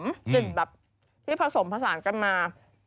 กลิ่นแบบที่ผสมผสานกันมา